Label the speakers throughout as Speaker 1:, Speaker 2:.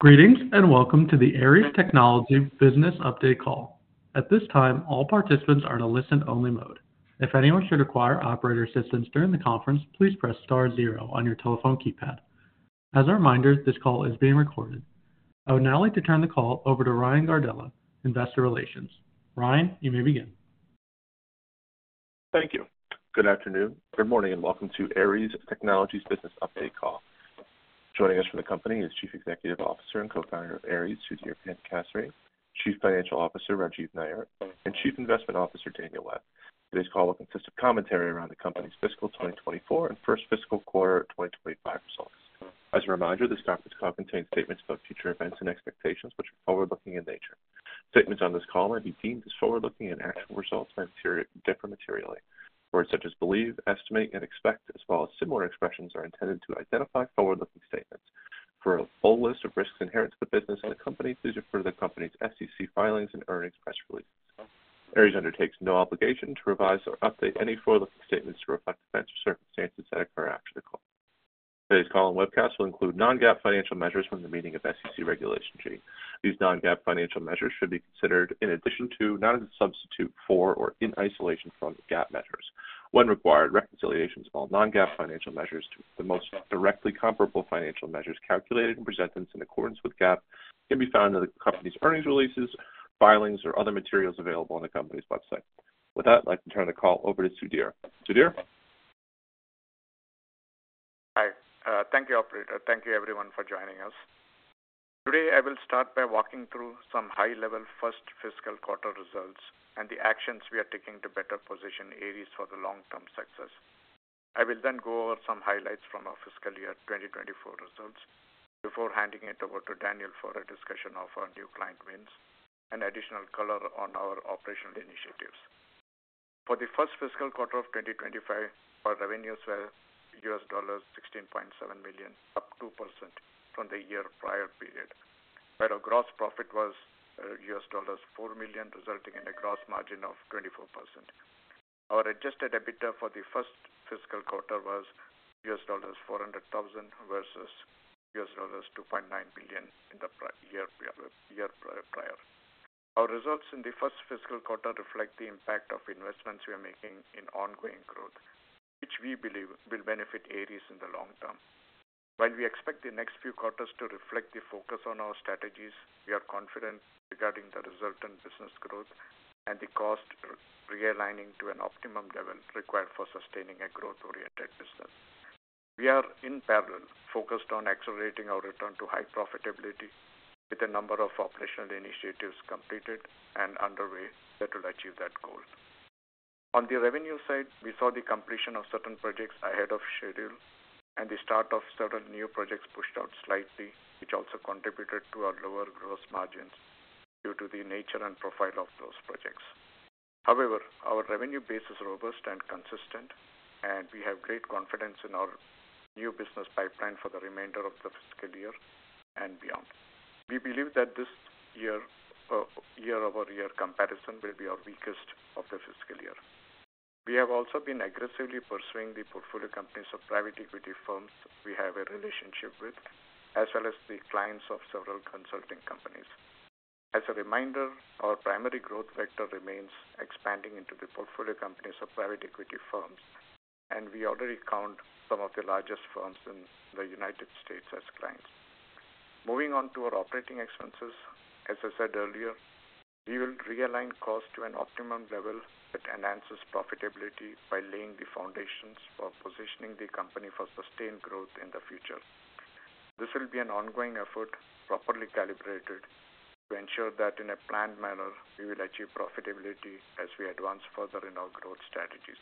Speaker 1: Greetings, and welcome to the Aeries Technology Business Update Call. At this time, all participants are in a listen-only mode. If anyone should require operator assistance during the conference, please press star zero on your telephone keypad. As a reminder, this call is being recorded. I would now like to turn the call over to Ryan Gardella, Investor Relations. Ryan, you may begin.
Speaker 2: Thank you. Good afternoon. Good morning, and welcome to Aeries Technologies Business Update Call. Joining us from the company is Chief Executive Officer and Co-Founder of Aeries, Sudhir Panikassery, Chief Financial Officer, Rajeev Nair, and Chief Investment Officer, Daniel Webb. Today's call will consist of commentary around the company's fiscal 2024 and first fiscal quarter of 2025 results. As a reminder, this conference call contains statements about future events and expectations which are forward-looking in nature. Statements on this call may be deemed as forward-looking, and actual results may materially differ materially. Words such as believe, estimate, and expect, as well as similar expressions, are intended to identify forward-looking statements. For a full list of risks inherent to the business and the company, please refer to the company's SEC filings and earnings press release. Aeries undertakes no obligation to revise or update any forward-looking statements to reflect events or circumstances that occur after the call. Today's call and webcast will include non-GAAP financial measures within the meaning of SEC Regulation G. These non-GAAP financial measures should be considered in addition to, not as a substitute for or in isolation from GAAP measures. When required, reconciliations of all non-GAAP financial measures to the most directly comparable financial measures calculated and presented in accordance with GAAP can be found in the company's earnings releases, filings, or other materials available on the company's website. With that, I'd like to turn the call over to Sudhir. Sudhir?
Speaker 3: Hi. Thank you, operator. Thank you everyone for joining us. Today, I will start by walking through some high-level first fiscal quarter results and the actions we are taking to better position Aeries for the long-term success. I will then go over some highlights from our fiscal year 2024 results before handing it over to Daniel for a discussion of our new client wins and additional color on our operational initiatives. For the first fiscal quarter of 2025, our revenues were $16.7 million, up 2% from the year prior period, where our gross profit was $4 million, resulting in a gross margin of 24%. Our Adjusted EBITDA for the first fiscal quarter was $400,000 versus $2.9 billion in the prior year. Our results in the first fiscal quarter reflect the impact of investments we are making in ongoing growth, which we believe will benefit Aeries in the long term. While we expect the next few quarters to reflect the focus on our strategies, we are confident regarding the resultant business growth and the cost realigning to an optimum level required for sustaining a growth-oriented business. We are in parallel focused on accelerating our return to high profitability with a number of operational initiatives completed and underway that will achieve that goal. On the revenue side, we saw the completion of certain projects ahead of schedule and the start of certain new projects pushed out slightly, which also contributed to our lower gross margins due to the nature and profile of those projects. However, our revenue base is robust and consistent, and we have great confidence in our new business pipeline for the remainder of the fiscal year and beyond. We believe that this year, year-over-year comparison will be our weakest of the fiscal year. We have also been aggressively pursuing the portfolio companies of private equity firms we have a relationship with, as well as the clients of several consulting companies. As a reminder, our primary growth vector remains expanding into the portfolio companies of private equity firms, and we already count some of the largest firms in the United States as clients. Moving on to our operating expenses, as I said earlier, we will realign costs to an optimum level that enhances profitability by laying the foundations for positioning the company for sustained growth in the future. This will be an ongoing effort, properly calibrated to ensure that in a planned manner, we will achieve profitability as we advance further in our growth strategies,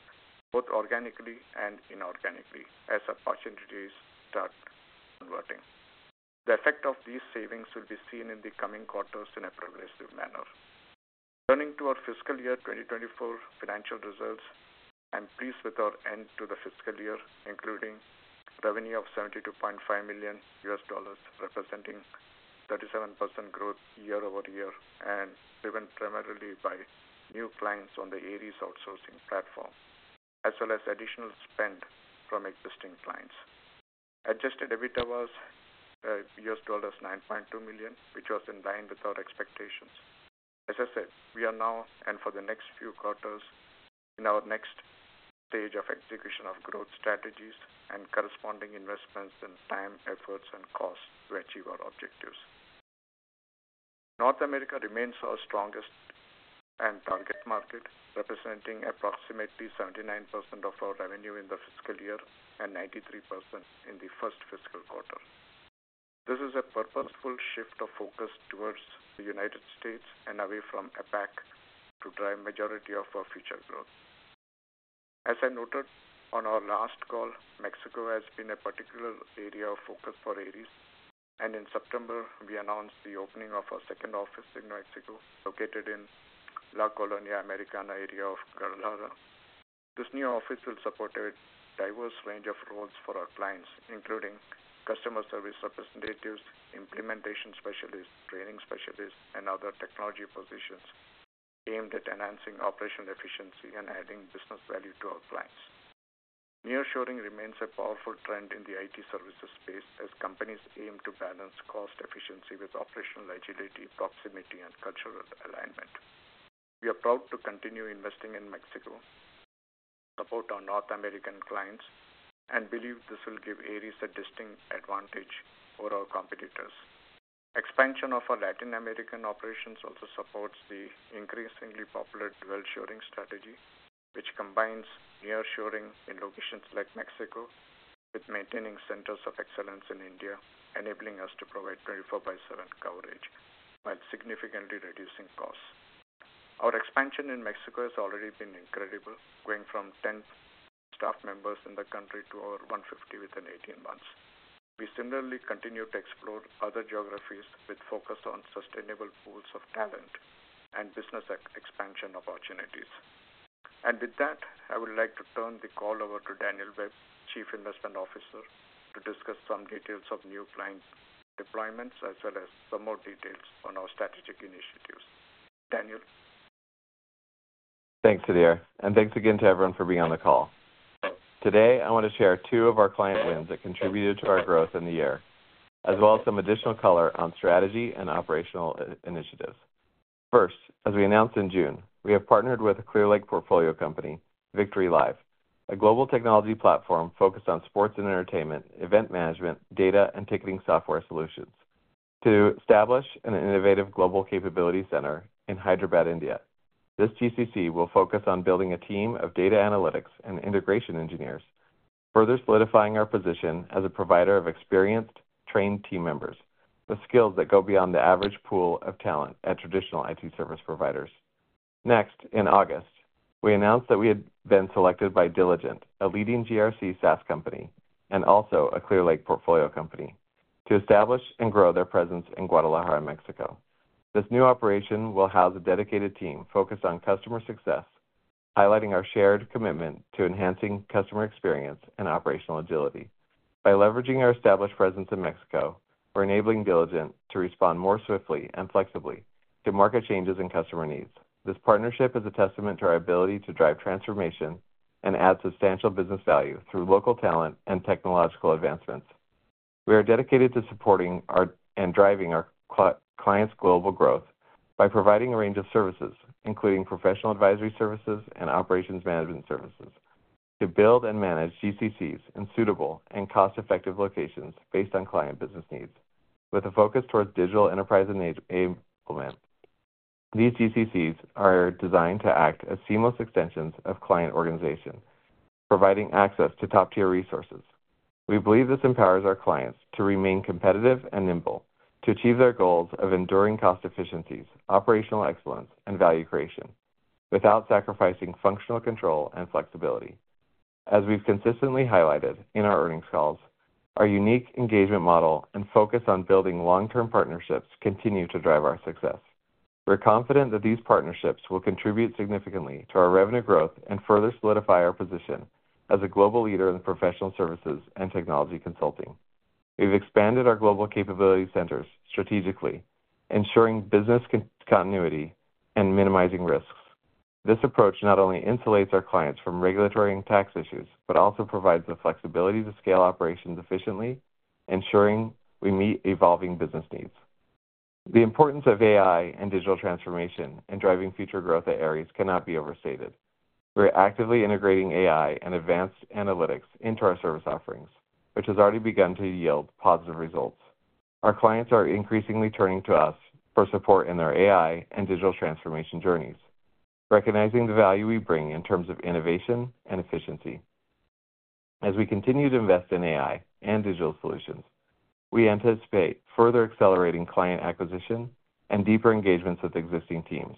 Speaker 3: both organically and inorganically, as opportunities start converting. The effect of these savings will be seen in the coming quarters in a progressive manner. Turning to our fiscal year 2024 financial results, I'm pleased with our end to the fiscal year, including revenue of $72.5 million, representing 37% growth year-over-year and driven primarily by new clients on the Aeries outsourcing platform, as well as additional spend from existing clients. Adjusted EBITDA was $9.2 million, which was in line with our expectations. As I said, we are now, and for the next few quarters, in our next stage of execution of growth strategies and corresponding investments in time, efforts, and costs to achieve our objectives. North America remains our strongest and target market, representing approximately 79% of our revenue in the fiscal year and 93% in the first fiscal quarter. This is a purposeful shift of focus towards the United States and away from APAC to drive majority of our future growth. As I noted on our last call, Mexico has been a particular area of focus for Aeries, and in September, we announced the opening of our second office in Mexico, located in La Colonia Americana area of Guadalajara. This new office will support a diverse range of roles for our clients, including customer service representatives, implementation specialists, training specialists, and other technology positions aimed at enhancing operational efficiency and adding business value to our clients. Nearshoring remains a powerful trend in the IT services space, as companies aim to balance cost efficiency with operational agility, proximity, and cultural alignment. We are proud to continue investing in Mexico, support our North American clients, and believe this will give Aeries a distinct advantage over our competitors. Expansion of our Latin American operations also supports the increasingly popular dual shoring strategy, which combines nearshoring in locations like Mexico with maintaining centers of excellence in India, enabling us to provide 24/7 coverage while significantly reducing costs. Our expansion in Mexico has already been incredible, going from ten staff members in the country to over 150 within 18 months. We similarly continue to explore other geographies with focus on sustainable pools of talent and business expansion opportunities, and with that, I would like to turn the call over to Daniel Webb, Chief Investment Officer, to discuss some details of new client deployments, as well as some more details on our strategic initiatives. Daniel?
Speaker 4: Thanks, Sudhir, and thanks again to everyone for being on the call. Today, I want to share two of our client wins that contributed to our growth in the year, as well as some additional color on strategy and operational initiatives. First, as we announced in June, we have partnered with Clearlake portfolio company Victory Live, a global technology platform focused on sports and entertainment, event management, data, and ticketing software solutions, to establish an innovative global capability center in Hyderabad, India. This GCC will focus on building a team of data analytics and integration engineers, further solidifying our position as a provider of experienced, trained team members with skills that go beyond the average pool of talent at traditional IT service providers. Next, in August, we announced that we had been selected by Diligent, a leading GRC SaaS company and also a Clearlake portfolio company, to establish and grow their presence in Guadalajara, Mexico. This new operation will house a dedicated team focused on customer success, highlighting our shared commitment to enhancing customer experience and operational agility. By leveraging our established presence in Mexico, we're enabling Diligent to respond more swiftly and flexibly to market changes and customer needs. This partnership is a testament to our ability to drive transformation and add substantial business value through local talent and technological advancements. We are dedicated to supporting our clients and driving our client's global growth by providing a range of services, including professional advisory services and operations management services, to build and manage GCCs in suitable and cost-effective locations based on client business needs, with a focus towards digital enterprise and AI implementation. These GCCs are designed to act as seamless extensions of client organizations, providing access to top-tier resources. We believe this empowers our clients to remain competitive and nimble, to achieve their goals of enduring cost efficiencies, operational excellence, and value creation without sacrificing functional control and flexibility. As we've consistently highlighted in our earnings calls, our unique engagement model and focus on building long-term partnerships continue to drive our success. We're confident that these partnerships will contribute significantly to our revenue growth and further solidify our position as a global leader in professional services and technology consulting. We've expanded our global capability centers strategically, ensuring business continuity and minimizing risks. This approach not only insulates our clients from regulatory and tax issues, but also provides the flexibility to scale operations efficiently, ensuring we meet evolving business needs. The importance of AI and digital transformation in driving future growth at Aeries cannot be overstated. We're actively integrating AI and advanced analytics into our service offerings, which has already begun to yield positive results. Our clients are increasingly turning to us for support in their AI and digital transformation journeys, recognizing the value we bring in terms of innovation and efficiency. As we continue to invest in AI and digital solutions, we anticipate further accelerating client acquisition and deeper engagements with existing teams.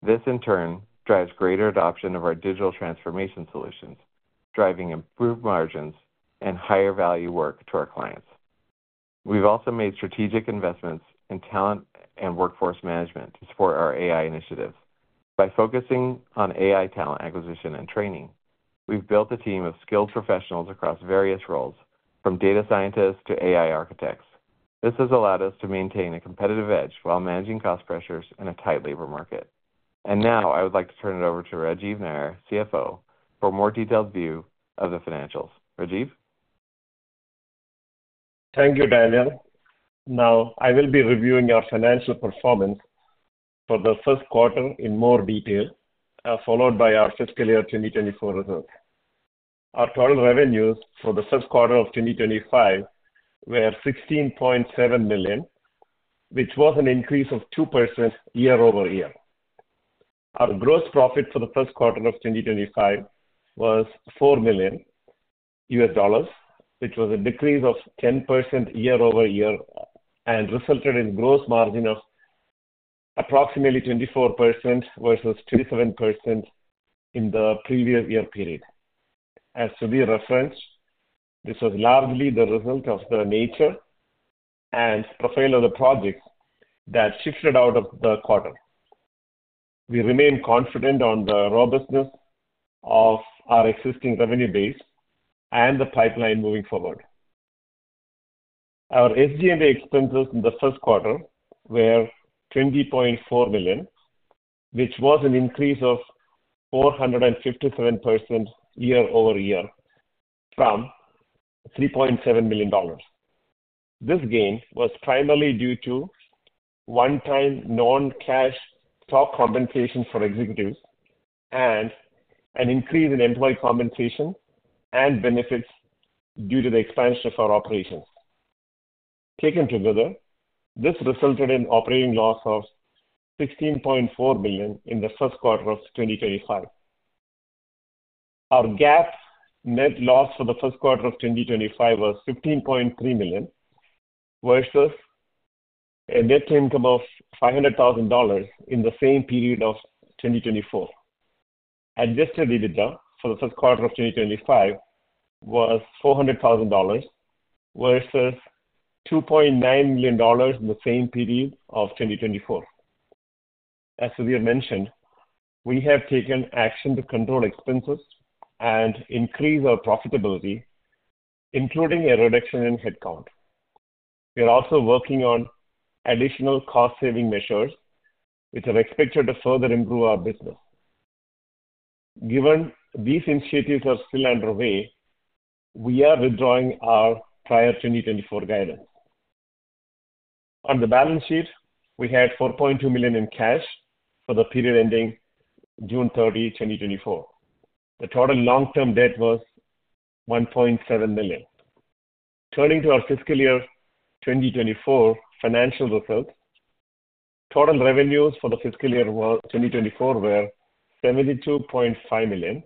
Speaker 4: This, in turn, drives greater adoption of our digital transformation solutions, driving improved margins and higher value work to our clients. We've also made strategic investments in talent and workforce management to support our AI initiatives. By focusing on AI talent acquisition and training, we've built a team of skilled professionals across various roles, from data scientists to AI architects. This has allowed us to maintain a competitive edge while managing cost pressures in a tight labor market. Now, I would like to turn it over to Rajeev Nair, CFO, for a more detailed view of the financials. Rajeev?
Speaker 5: Thank you, Daniel. Now, I will be reviewing our financial performance for the first quarter in more detail, followed by our fiscal year 2024 results. Our total revenues for the first quarter of 2025 were $16.7 million, which was an increase of 2% year-over-year. Our gross profit for the first quarter of 2025 was $4 million, which was a decrease of 10% year-over-year and resulted in gross margin of approximately 24% versus 27% in the previous year period. As Sudhir referenced, this was largely the result of the nature and profile of the projects that shifted out of the quarter. We remain confident on the robustness of our existing revenue base and the pipeline moving forward. Our SG&A expenses in the first quarter were $20.4 million, which was an increase of 457% year-over-year from $3.7 million. This gain was primarily due to one-time non-cash stock compensation for executives and an increase in employee compensation and benefits due to the expansion of our operations. Taken together, this resulted in operating loss of $16.4 million in the first quarter of 2025. Our GAAP net loss for the first quarter of 2025 was $15.3 million, versus a net income of $500,000 in the same period of 2024. Adjusted EBITDA for the first quarter of 2025 was $400,000, versus $2.9 million in the same period of 2024. As we have mentioned, we have taken action to control expenses and increase our profitability, including a reduction in headcount. We are also working on additional cost-saving measures, which are expected to further improve our business. Given these initiatives are still underway, we are withdrawing our prior 2024 guidance. On the balance sheet, we had $4.2 million in cash for the period ending June 30, 2024. The total long-term debt was $1.7 million. Turning to our fiscal year 2024 financial results, total revenues for the fiscal year 2024 were $72.5 million,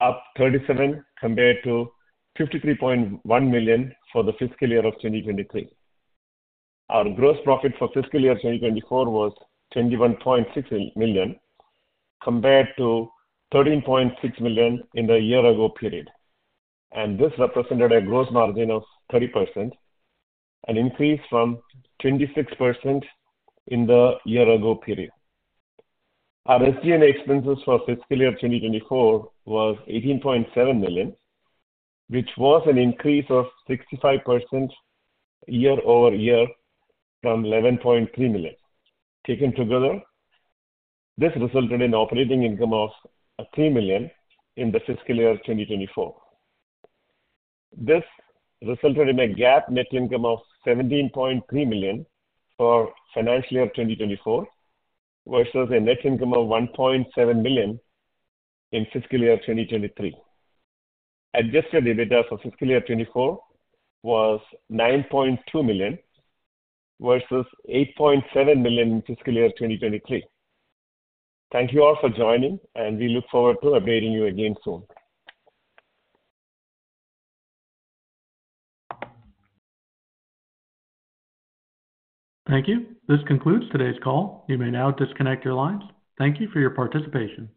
Speaker 5: up 37% compared to $53.1 million for the fiscal year of 2023. Our gross profit for fiscal year 2024 was $21.6 million, compared to $13.6 million in the year ago period. And this represented a gross margin of 30%, an increase from 26% in the year ago period. Our SG&A expenses for fiscal year 2024 was $18.7 million, which was an increase of 65% year-over-year from $11.3 million. Taken together, this resulted in operating income of $3 million in the fiscal year 2024. This resulted in a GAAP net income of $17.3 million for financial year 2024, versus a net income of $1.7 million in fiscal year 2023. Adjusted EBITDA for fiscal year 2024 was $9.2 million, versus $8.7 million in fiscal year 2023. Thank you all for joining, and we look forward to updating you again soon.
Speaker 1: Thank you. This concludes today's call. You may now disconnect your lines. Thank you for your participation.